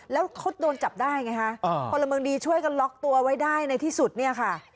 แล้วเขาโดนจับได้ไงคะพลเมืองดีช่วยกันล็อกตัวไว้ได้ในที่สุดเนี่ยค่ะ